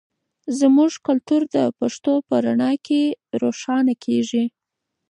زموږ کلتور د پښتو په رڼا کې روښانه کیږي.